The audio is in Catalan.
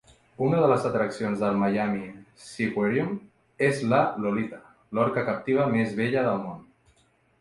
Una de les atraccions del Miami Seaquarium és la Lolita, l'orca captiva més vella del món.